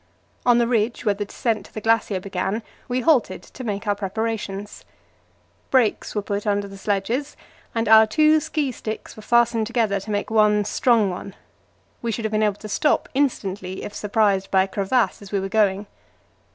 On the ridge where the descent to the glacier began we halted to make our preparations. Brakes were put under the sledges, and our two ski sticks were fastened together to make one strong one; we should have to be able to stop instantly if surprised by a crevasse as we were going.